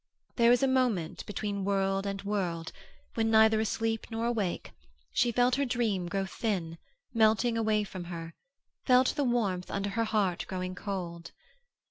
There was a moment between world and world, when, neither asleep nor awake, she felt her dream grow thin, melting away from her, felt the warmth under her heart growing cold.